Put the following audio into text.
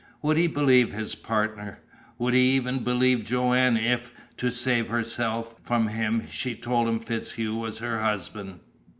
Would he believe his partner? Would he even believe Joanne if, to save herself from him, she told him FitzHugh was her husband?